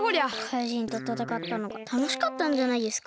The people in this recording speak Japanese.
かいじんとたたかったのがたのしかったんじゃないですか。